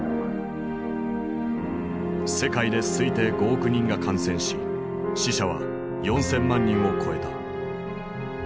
世界で推定５億人が感染し死者は４，０００万人を超えた。